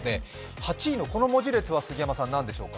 ８位のこの文字列は何でしょうか？